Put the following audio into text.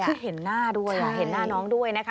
คือเห็นหน้าด้วยเห็นหน้าน้องด้วยนะคะ